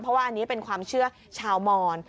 เพราะว่าอันนี้เป็นความเชื่อชาวมอน